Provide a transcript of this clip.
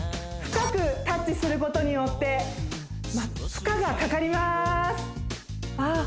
深くタッチすることによって負荷がかかりますああ